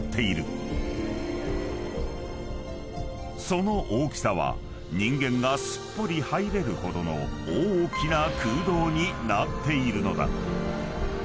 ［その大きさは人間がすっぽり入れるほどの大きな空洞になっているのだ］